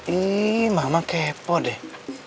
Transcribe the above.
ih mama kepo deh